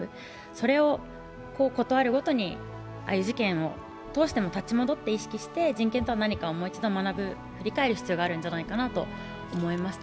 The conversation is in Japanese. それを事あるごとに、ああいう事件を立ち戻って意識して、人権とは何かをもう一度学ぶ、振り返る必要があるんじゃないかなと思いました。